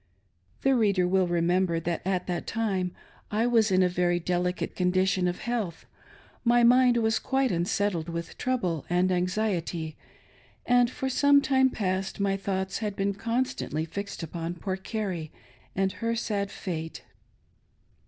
The reader will remember that at the time I was in a very delicate condition of health, my mind was quite unsettled with trouble and anxiety, and for some time past my thoughts had been constantly fixed upon poor Carrie and her sad fate.